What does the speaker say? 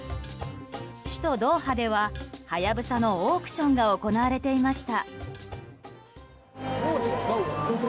首都ドーハではハヤブサのオークションが行われていました。